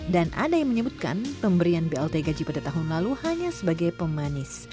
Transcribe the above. dan ada yang menyebutkan pemberian blt gaji pada tahun lalu hanya sebagai pemanis